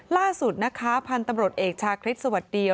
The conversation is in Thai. ล่าสุดนะคะพันธุ์ตำรวจเอกชาคริสต์สวัสดี